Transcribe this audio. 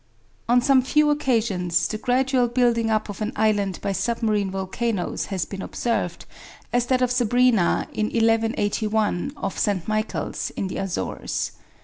On some few occasions, the gradual building up of an island by submarine volcanoes has been observed, as that of Sabrina in 1181, off St. Michael's, in the Azores.